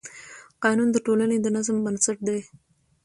قانون د ټولنې د نظم بنسټ دی.